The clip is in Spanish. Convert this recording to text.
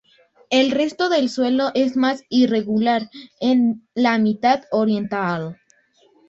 El resto del suelo es más irregular en la mitad oriental.